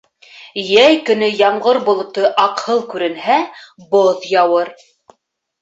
Йәй көнө ямғыр болото аҡһыл күренһә, боҙ яуыр.